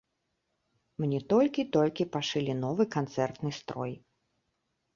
Мне толькі-толькі пашылі новы канцэртны строй.